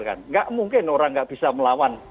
tidak mungkin orang nggak bisa melawan